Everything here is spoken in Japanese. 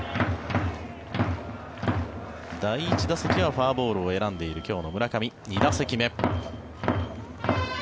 第１打席はフォアボールを選んでいる村上２打席目。